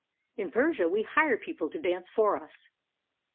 In Persia we hire people to dance for us."